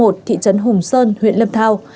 thị trấn hùng sơn huyện lâm thao